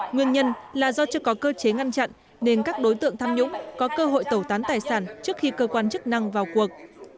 nguyên nhân là do chưa có cơ chế ngăn chặn nên các đối tượng tham nhũng có cơ hội tẩu tán tài sản trước khi cơ quan chức năng vào cuộc